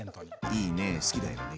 いいね好きだよね。